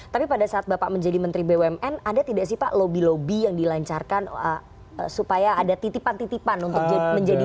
tapi pada saat bapak menjadi menteri bumn ada tidak sih pak lobby lobby yang dilancarkan supaya ada titipan titipan untuk menjadi